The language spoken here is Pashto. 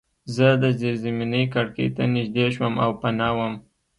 زه د زیرزمینۍ کړکۍ ته نږدې شوم او پناه وم